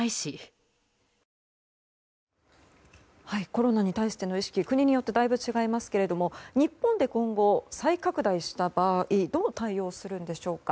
コロナに対しての意識国によってだいぶ違いますけども日本で今後、再拡大した場合どう対応するんでしょうか。